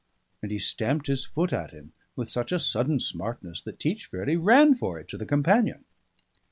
And he stamped his foot at him with such a sudden smartness that Teach fairly ran for it to the companion.